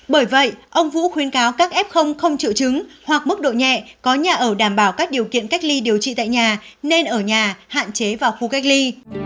bởi vậy ông vũ khuyên cáo các f không triệu chứng hoặc mức độ nhẹ có nhà ở đảm bảo các điều kiện cách ly điều trị tại nhà nên ở nhà hạn chế vào khu cách ly